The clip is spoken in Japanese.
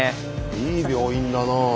いい病院だなぁ。